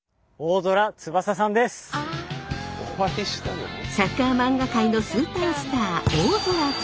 サッカー漫画界のスーパースター